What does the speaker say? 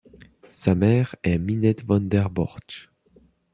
Sa mère est Minette von der Borch.